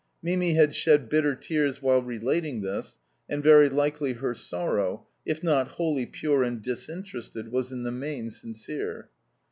Mimi had shed bitter tears while relating this, and very likely her sorrow, if not wholly pure and disinterested, was in the main sincere.